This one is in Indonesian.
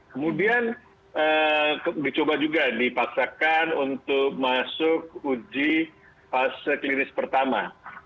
kemudian dicoba juga dipaksakan untuk masuk uji fase klinis pertama